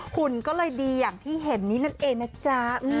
หุ่นก็เลยดีอย่างที่เห็นนี้นั่นเองนะจ๊ะ